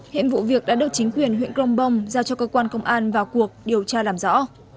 hệ vụ việc đã được chính quyền huyện công bông giao cho cơ quan công an vào cuộc điều tra làm rõ